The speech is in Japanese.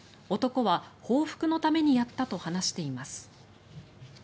男は報復のためにやったと話しています。